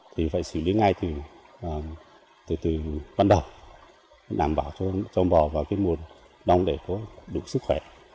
thì phải xử lý ngay từ bắt đầu đảm bảo cho châu bò vào mùa đông để có đủ sức khỏe